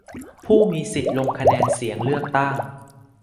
ผู้มีสิทธิ์ลงคะแนนเสียงเลือกตั้ง